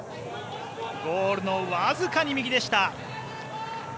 ゴールのわずかに右でした。